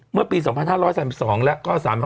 เมื่อปี๒๕๓๒และ๒๕๓๗